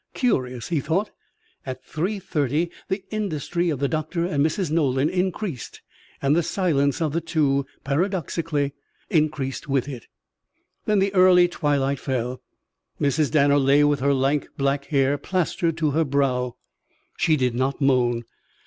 Curious, he thought. At three thirty the industry of the doctor and Mrs. Nolan increased and the silence of the two, paradoxically, increased with it. Then the early twilight fell. Mrs. Danner lay with her lank black hair plastered to her brow. She did not moan.